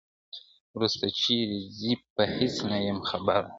وروسته چیري ځي په هیڅ نه یم خبره ,